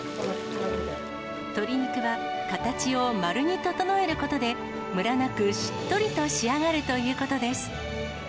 鶏肉は形を丸に整えることで、むらなく、しっとりと仕上がるということです。